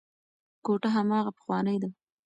کوټه هماغه پخوانۍ ده.